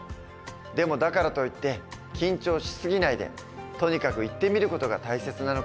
でもだからといって緊張し過ぎないでとにかく行ってみる事が大切なのかもしれない。